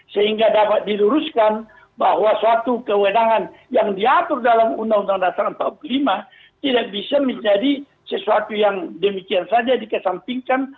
sehingga dapat diluruskan bahwa suatu kewenangan yang diatur dalam undang undang dasar empat puluh lima tidak bisa menjadi sesuatu yang demikian saja dikesampingkan